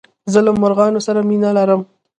زه له مرغانو سره مينه لرم.